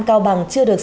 cao bằng một triệu đồng